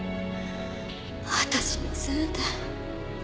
私のせいで。